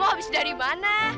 kamu habis dari mana